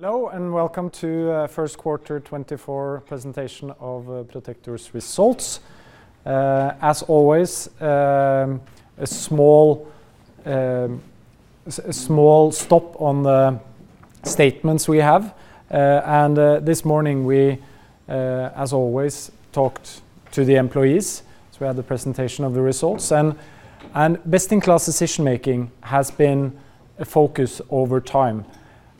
Hello, and welcome to Q1 2024 presentation of Protector's results. As always, a small stop on the statements we have. And this morning, we, as always, talked to the employees, so we had the presentation of the results, and best-in-class decision-making has been a focus over time.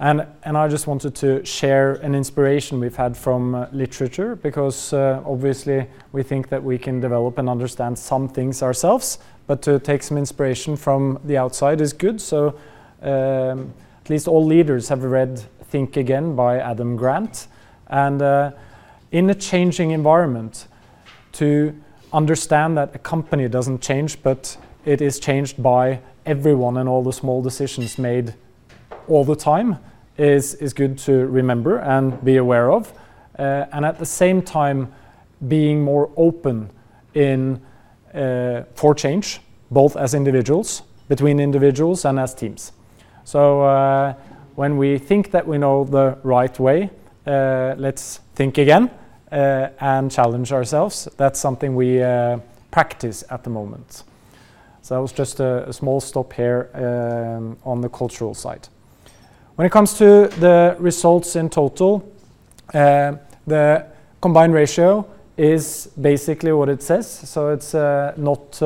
And I just wanted to share an inspiration we've had from literature, because obviously, we think that we can develop and understand some things ourselves, but to take some inspiration from the outside is good. So, at least all leaders have read Think Again, by Adam Grant. And in a changing environment, to understand that a company doesn't change, but it is changed by everyone, and all the small decisions made all the time, is good to remember and be aware of. And at the same time, being more open for change, both as individuals, between individuals, and as teams. So, when we think that we know the right way, let's think again, and challenge ourselves. That's something we practice at the moment. So that was just a small stop here on the cultural side. When it comes to the results in total, the combined ratio is basically what it says, so it's not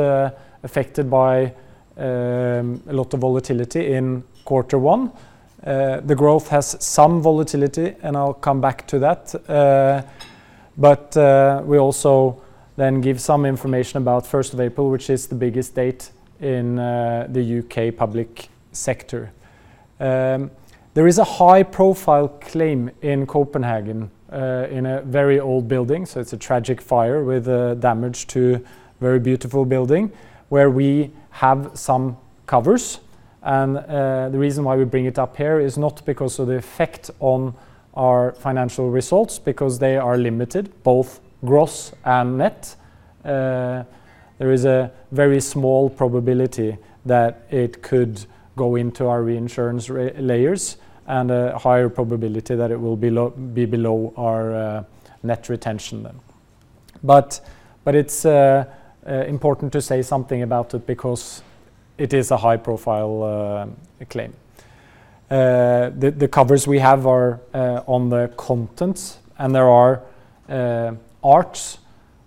affected by a lot of volatility in quarter one. The growth has some volatility, and I'll come back to that. But we also then give some information about first of April, which is the biggest date in the UK public sector. There is a high-profile claim in Copenhagen, in a very old building, so it's a tragic fire with damage to a very beautiful building, where we have some covers. And the reason why we bring it up here is not because of the effect on our financial results, because they are limited, both gross and net. There is a very small probability that it could go into our reinsurance layers, and a higher probability that it will be below our net retention then. But it's important to say something about it, because it is a high-profile claim. The covers we have are on the contents, and there are arts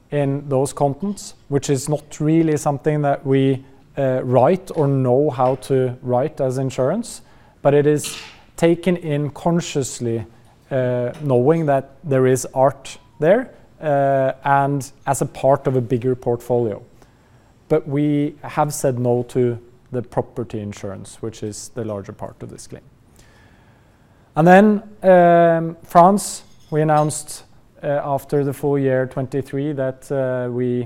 in those contents, which is not really something that we write or know how to write as insurance, but it is taken in consciously, knowing that there is art there, and as a part of a bigger portfolio. But we have said no to the property insurance, which is the larger part of this claim. And then, France, we announced after the full year 2023, that we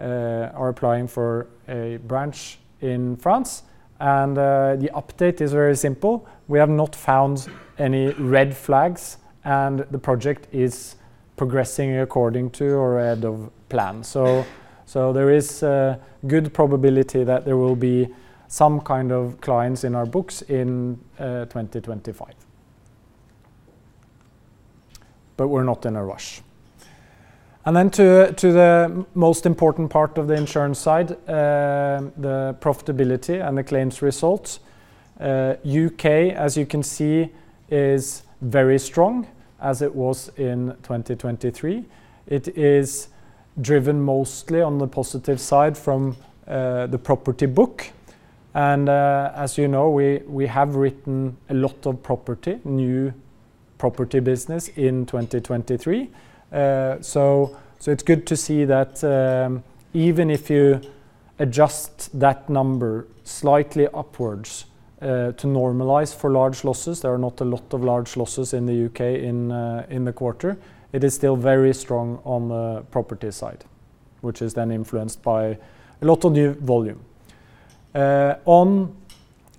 are applying for a branch in France, and the update is very simple. We have not found any red flags, and the project is progressing according to or ahead of plan. So, there is a good probability that there will be some kind of clients in our books in 2025. But we're not in a rush. Then to the most important part of the insurance side, the profitability and the claims results. UK, as you can see, is very strong, as it was in 2023. It is driven mostly on the positive side from the property book, and, as you know, we have written a lot of property, new property business in 2023. So, it's good to see that, even if you adjust that number slightly upwards, to normalize for large losses, there are not a lot of large losses in the UK in the quarter. It is still very strong on the property side, which is then influenced by a lot of new volume. On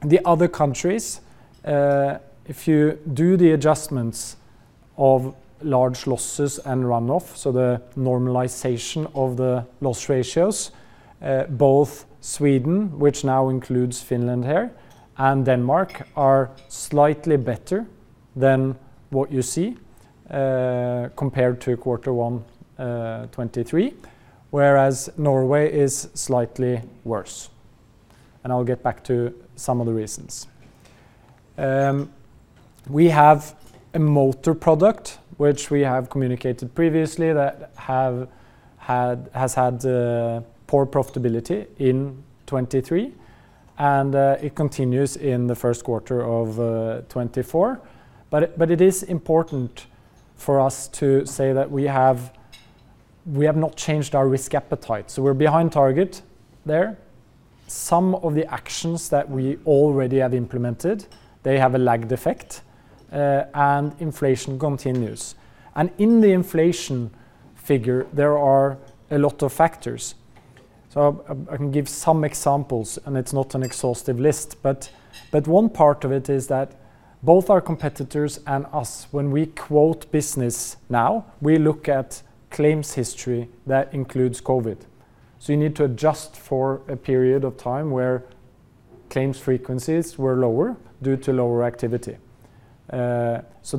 the other countries, if you do the adjustments of large losses and run-off, so the normalization of the loss ratios, both Sweden, which now includes Finland here, and Denmark, are slightly better than what you see, compared to quarter one 2023, whereas Norway is slightly worse, and I'll get back to some of the reasons. We have a motor product, which we have communicated previously, that has had poor profitability in 2023, and it continues in the Q1 of 2024. But it is important for us to say that we have not changed our risk appetite, so we're behind target there. Some of the actions that we already have implemented, they have a lagged effect, and inflation continues. In the inflation figure, there are a lot of factors. So I can give some examples, and it's not an exhaustive list, but one part of it is that both our competitors and us, when we quote business now, we look at claims history that includes COVID... So you need to adjust for a period of time where claims frequencies were lower due to lower activity. So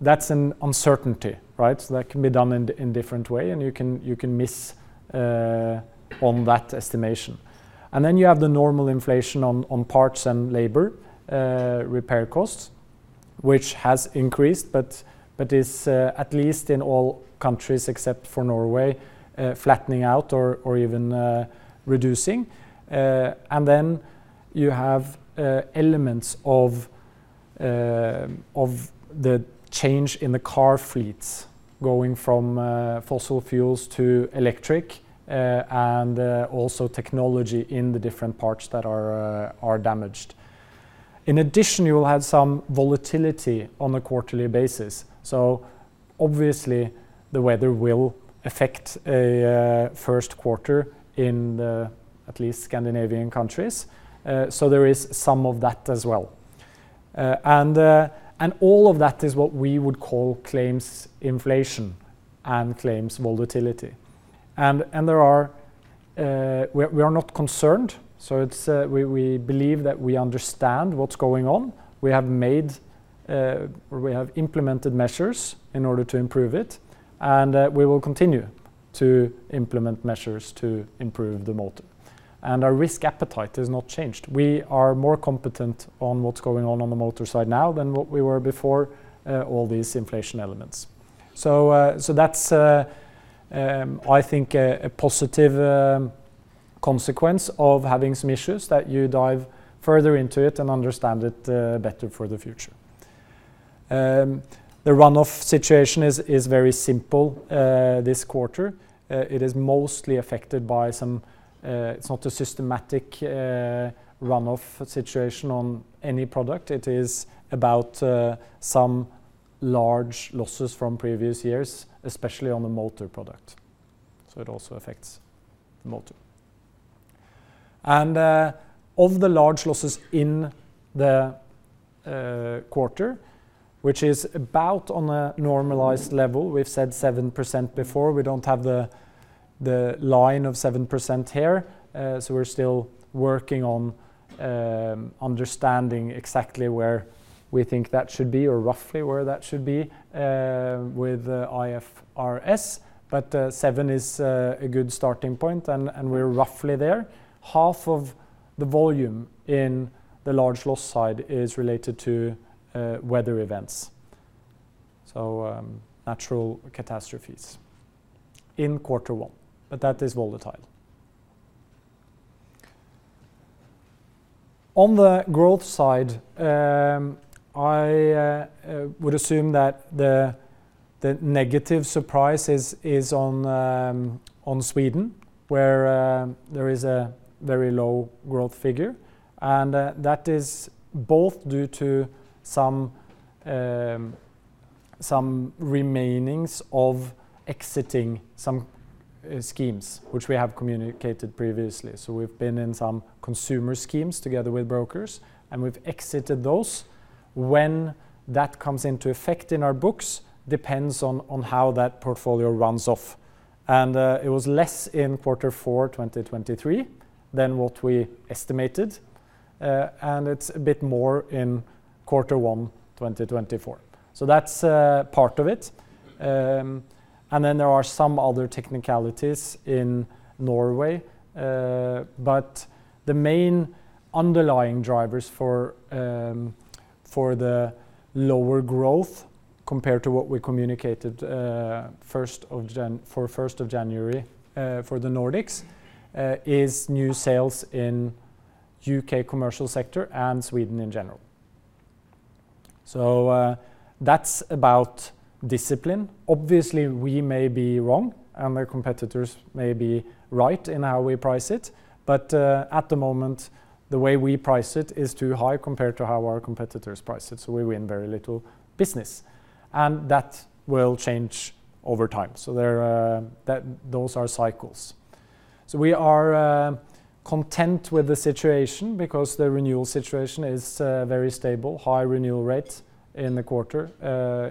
that's an uncertainty, right? So that can be done in different way, and you can miss on that estimation. And then you have the normal inflation on parts and labor, repair costs, which has increased, but is at least in all countries, except for Norway, flattening out or even reducing. And then you have elements of the change in the car fleets, going from fossil fuels to electric, and also technology in the different parts that are damaged. In addition, you will have some volatility on a quarterly basis, so obviously, the weather will affect a Q1 in at least Scandinavian countries. So there is some of that as well. And all of that is what we would call claims inflation and claims volatility. And there are... We are not concerned, so it's we believe that we understand what's going on. We have made or we have implemented measures in order to improve it, and we will continue to implement measures to improve the motor. And our risk appetite has not changed. We are more competent on what's going on on the motor side now than what we were before, all these inflation elements. So that's, I think, a positive consequence of having some issues, that you dive further into it and understand it better for the future. The run-off situation is very simple, this quarter. It is mostly affected by some... It's not a systematic run-off situation on any product, it is about some large losses from previous years, especially on the motor product, so it also affects the motor. And, of the large losses in the quarter, which is about on a normalized level, we've said 7% before. We don't have the line of 7% here, so we're still working on understanding exactly where we think that should be or roughly where that should be, with IFRS, but seven is a good starting point, and we're roughly there. Half of the volume in the large loss side is related to weather events, so natural catastrophes in quarter one, but that is volatile. On the growth side, I would assume that the negative surprise is on Sweden, where there is a very low growth figure, and that is both due to some remainings of exiting some schemes, which we have communicated previously. So we've been in some consumer schemes together with brokers, and we've exited those. When that comes into effect in our books, depends on how that portfolio runs off. And it was less in quarter four, 2023, than what we estimated, and it's a bit more in quarter one, 2024. So that's part of it. And then there are some other technicalities in Norway, but the main underlying drivers for the lower growth, compared to what we communicated first of January for the Nordics, is new sales in UK commercial sector and Sweden in general. So that's about discipline. Obviously, we may be wrong, and the competitors may be right in how we price it, but at the moment, the way we price it is too high compared to how our competitors price it, so we win very little business, and that will change over time. So there, that, those are cycles. So we are content with the situation because the renewal situation is very stable, high renewal rates in the quarter,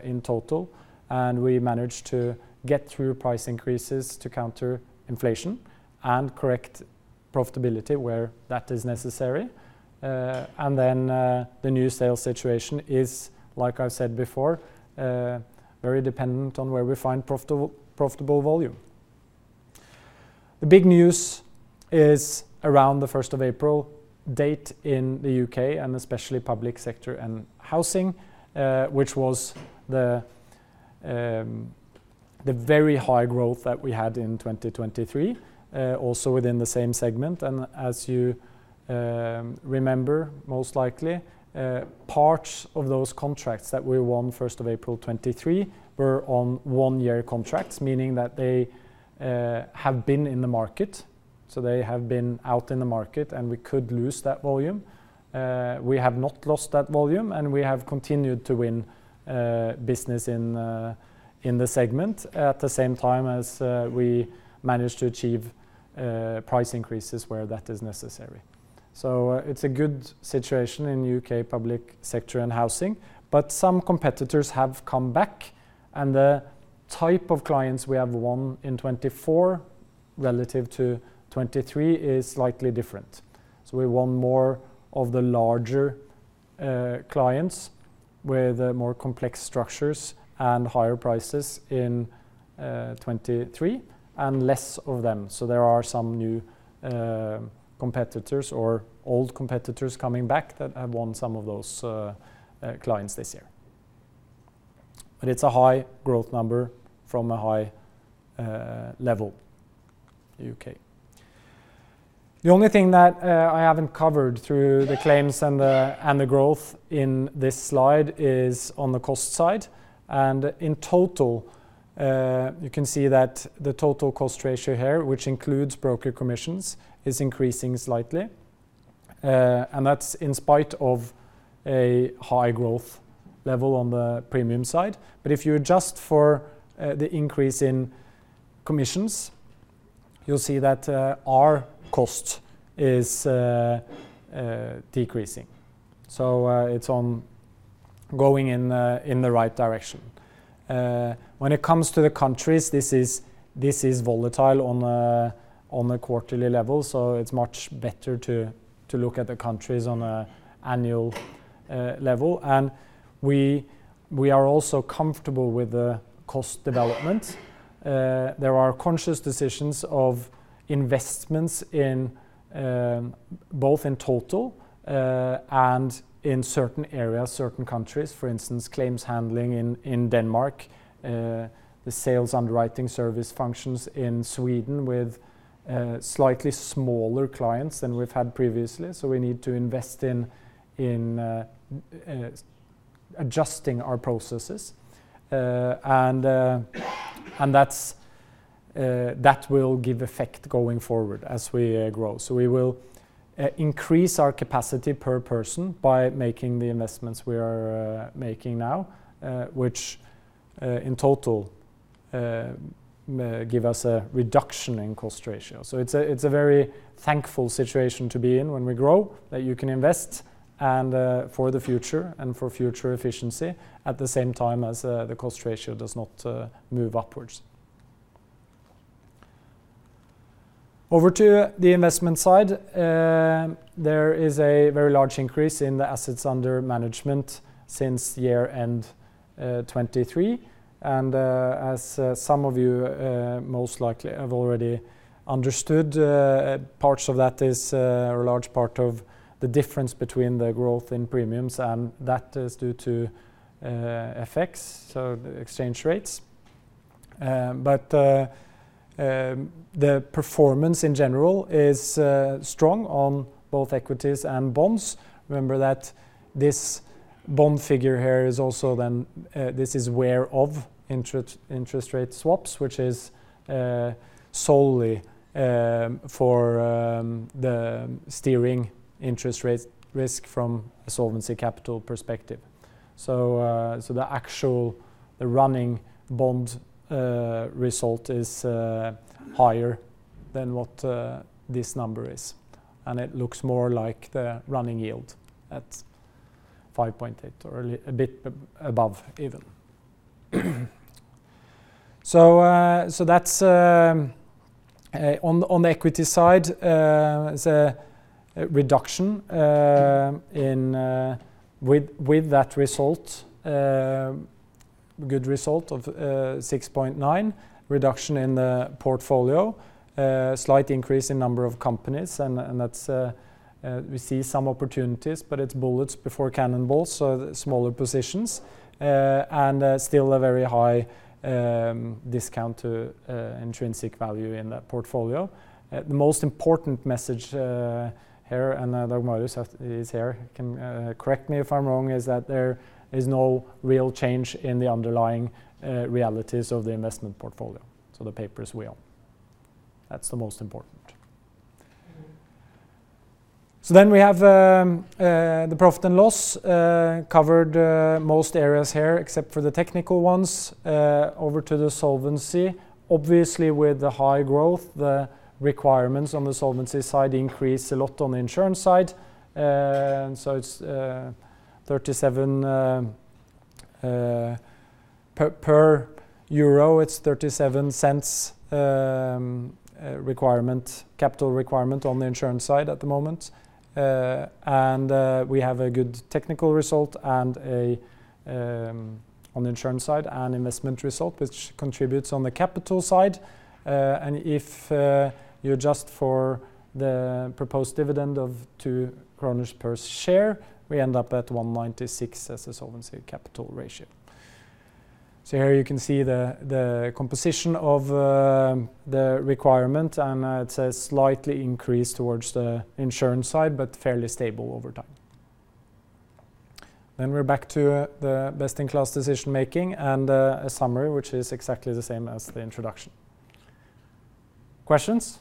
in total, and we managed to get through price increases to counter inflation and correct profitability where that is necessary. And then, the new sales situation is, like I said before, very dependent on where we find profitable volume. The big news is around the first of April date in the U.K., and especially public sector and housing, which was the very high growth that we had in 2023, also within the same segment. And as you remember, most likely, parts of those contracts that we won first of April 2023 were on one-year contracts, meaning that they have been in the market, so they have been out in the market, and we could lose that volume. We have not lost that volume, and we have continued to win business in the segment, at the same time as we managed to achieve price increases where that is necessary.... So, it's a good situation in UK public sector and housing, but some competitors have come back, and the type of clients we have won in 2024, relative to 2023, is slightly different. So we won more of the larger, clients with, more complex structures and higher prices in, 2023, and less of them. So there are some new, competitors or old competitors coming back that have won some of those, clients this year. But it's a high growth number from a high, level, UK. The only thing that, I haven't covered through the claims and the, and the growth in this slide is on the cost side, and in total, you can see that the total cost ratio here, which includes broker commissions, is increasing slightly. And that's in spite of a high growth level on the premium side. But if you adjust for the increase in commissions, you'll see that our cost is decreasing. So it's ongoing in the right direction. When it comes to the countries, this is volatile on a quarterly level, so it's much better to look at the countries on an annual level. And we are also comfortable with the cost development. There are conscious decisions of investments in both in total and in certain areas, certain countries, for instance, claims handling in Denmark, the sales underwriting service functions in Sweden with slightly smaller clients than we've had previously. So we need to invest in adjusting our processes. And that will give effect going forward as we grow. So we will increase our capacity per person by making the investments we are making now, which in total give us a reduction in cost ratio. So it's a, it's a very thankful situation to be in when we grow, that you can invest and for the future and for future efficiency at the same time as the cost ratio does not move upwards. Over to the investment side, there is a very large increase in the assets under management since year-end 2023. And as some of you most likely have already understood, parts of that is a large part of the difference between the growth in premiums, and that is due to effects so the exchange rates. But the performance, in general, is strong on both equities and bonds. Remember that this bond figure here is also then this is where of interest rate swaps, which is solely for the steering interest rate risk from a solvency capital perspective. The actual running bond result is higher than what this number is, and it looks more like the running yield at 5.8 or a little bit above even. So that's on the equity side is a reduction in with that result good result of 6.9 reduction in the portfolio a slight increase in number of companies and that's we see some opportunities but it's bullets before cannonballs so the smaller positions and still a very high discount to intrinsic value in the portfolio. The most important message here and Dag Marius is here can correct me if I'm wrong is that there is no real change in the underlying realities of the investment portfolio. So the paper is well. That's the most important. So then we have the profit and loss covered most areas here except for the technical ones. Over to the solvency, obviously, with the high growth, the requirements on the solvency side increase a lot on the insurance side. And so it's 37 per euro, it's 37 cents requirement, capital requirement on the insurance side at the moment. And we have a good technical result and on the insurance side, an investment result, which contributes on the capital side. And if you adjust for the proposed dividend of 2 kroner per share, we end up at 196% as a solvency capital ratio. So here you can see the composition of the requirement, and it's a slightly increased towards the insurance side, but fairly stable over time. Then we're back to the best-in-class decision making and a summary, which is exactly the same as the introduction. Questions?...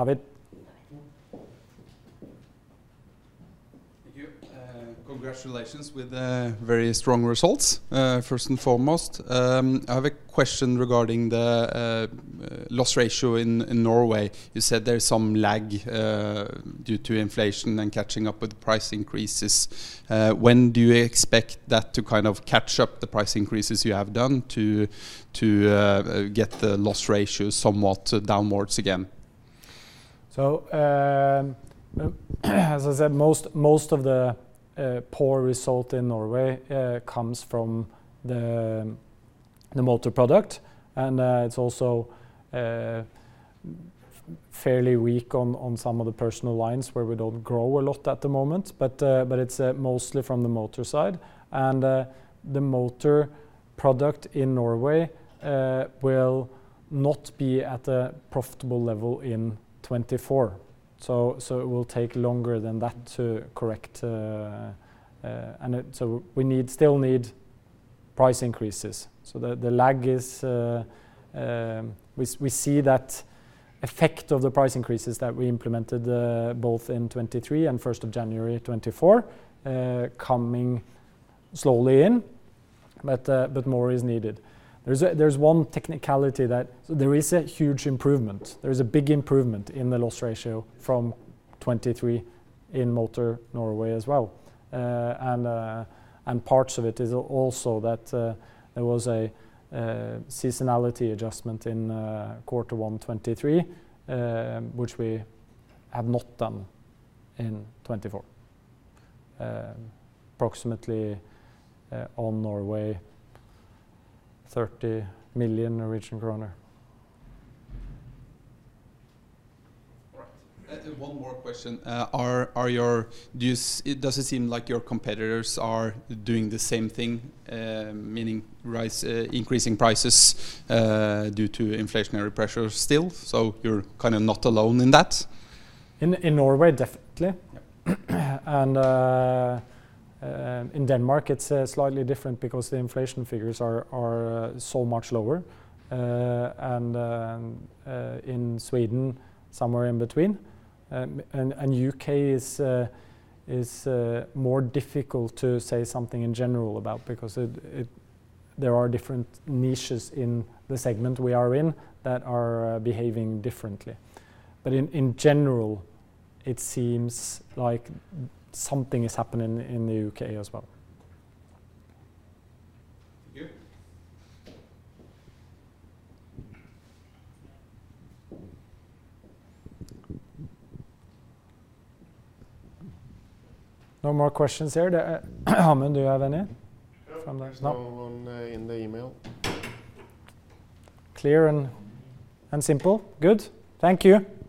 David? Thank you. Congratulations with the very strong results. First and foremost, I have a question regarding the loss ratio in Norway. You said there's some lag due to inflation and catching up with price increases. When do you expect that to kind of catch up the price increases you have done to get the loss ratio somewhat downwards again? So, as I said, most of the poor result in Norway comes from the motor product, and it's also fairly weak on some of the personal lines where we don't grow a lot at the moment. But it's mostly from the motor side, and the motor product in Norway will not be at a profitable level in 2024. So it will take longer than that to correct, and so we still need price increases. So the lag is. We see that effect of the price increases that we implemented both in 2023 and 1st of January 2024 coming slowly in, but more is needed. There's one technicality that there is a huge improvement. There is a big improvement in the loss ratio from 2023 in motor Norway as well. And parts of it is also that there was a seasonality adjustment in quarter one 2023, which we have not done in 2024. Approximately, on Norway, NOK 30 million. All right. And one more question. Does it seem like your competitors are doing the same thing, meaning raising prices due to inflationary pressure still, so you're kind of not alone in that? In Norway, definitely. And in Denmark, it's slightly different because the inflation figures are so much lower. And in Sweden, somewhere in between. UK is more difficult to say something in general about because there are different niches in the segment we are in that are behaving differently. But in general, it seems like something is happening in the UK as well. Thank you. No more questions here. Amund, do you have any from the. No. No? No one in the email. Clear and, and simple. Good. Thank you!